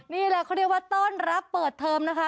นี่แหละเขาเรียกว่าต้อนรับเปิดเทอมนะคะ